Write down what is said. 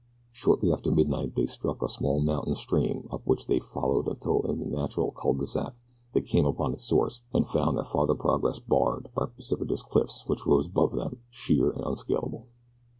Shortly after midnight they struck a small mountain stream up which they followed until in a natural cul de sac they came upon its source and found their farther progress barred by precipitous cliffs which rose above them, sheer and unscalable.